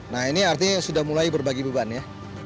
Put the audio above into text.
nah ini artinya sudah mulai berbagi beban ya